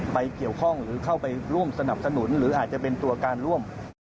เกี่ยวข้องหรือเข้าไปร่วมสนับสนุนหรืออาจจะเป็นตัวการร่วม